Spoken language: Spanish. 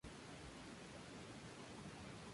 Desde entonces, ha obtenido papeles principales.